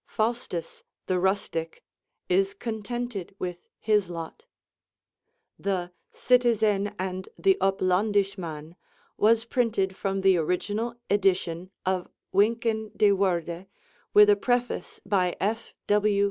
Faustus, the rustic, is contented with his lot. The 'Cytezen and the Uplondyshman' was printed from the original edition of Wynkyn de Worde, with a preface by F. W.